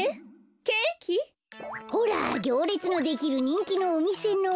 ほらぎょうれつのできるにんきのおみせの。